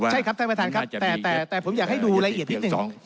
ใช่ครับท่านประธานครับแต่ผมอยากให้ดูละเอียดนิดหนึ่ง